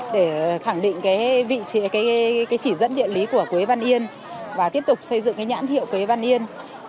để khẳng định cái vị trí cái chỉ dẫn địa lý của quế văn yên và tiếp tục xây dựng cái nhãn hiệu quế văn yên